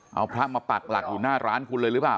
เอาพระมาปักหลักอยู่หน้าร้านคุณเลยหรือเปล่า